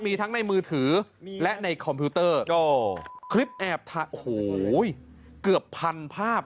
มีทั้งในมือถือและในคอมพิวเตอร์คลิปแอบถ่ายโอ้โหเกือบพันภาพ